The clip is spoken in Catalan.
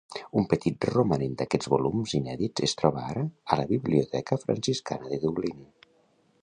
Un petit romanent d'aquests volums inèdits es troba ara a la Biblioteca franciscana de Dublín.